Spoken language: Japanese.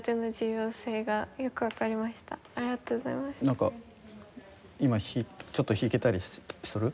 なんか今ちょっと弾けたりする？